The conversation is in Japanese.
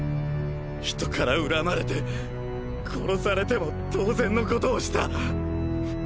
人から恨まれて殺されても当然のことをした。